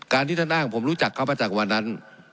ที่ท่านอ้างผมรู้จักเขามาจากวันนั้น